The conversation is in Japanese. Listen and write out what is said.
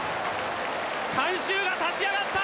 観衆が立ち上がった！